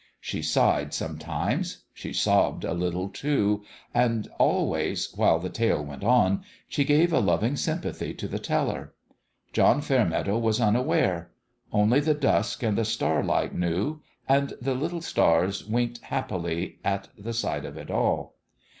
She sighed, sometimes ; she sobbed a little, too : and always, while the tale went on, she gave a loving sympathy to the teller. John Fairmeadow was unaware : only the dusk and the starlight knew and the little stars winked happily at the sight of it all.